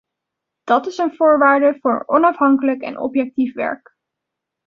Dat is een voorwaarde voor onafhankelijk en objectief werk.